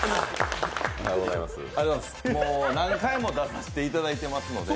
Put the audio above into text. もう何回も出させていただいてますので。